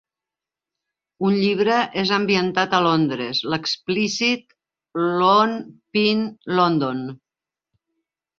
Un llibre és ambientat a Londres, l'explícit "Lone Pine London".